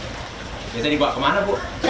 biasanya dibawa kemana bu